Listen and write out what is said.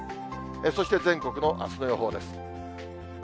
そして、全国のあすの予報です。